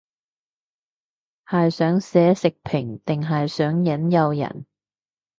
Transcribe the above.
係想寫食評定係想引誘人